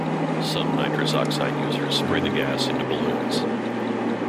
Some nitrous oxide users spray the gas into balloons.